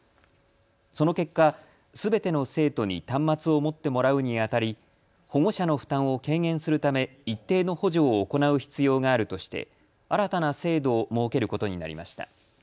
その結果、すべての生徒に端末を持ってもらうにあたり保護者の負担を軽減するため一定の補助を行う必要があるとして新たな制度を設けることになりました。